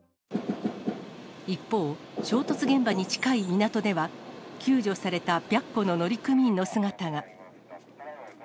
一方、衝突現場に近い港では、救助された白虎の乗組員の姿が。